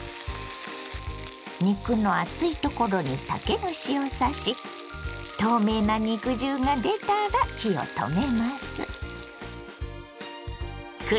肉の厚いところに竹串を刺し透明な肉汁が出たら火を止めます。